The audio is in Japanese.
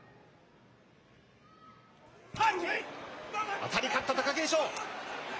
当たり勝った貴景勝。